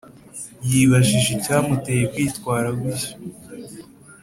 yibajije icyamuteye kwitwara gutyo